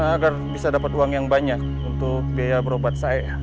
agar bisa dapat uang yang banyak untuk biaya berobat saya